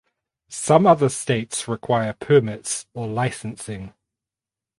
Some other states require permits or licensing.